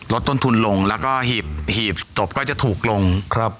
ลดต้นทุนลงแล้วก็หีบหีบตบก็จะถูกลงครับ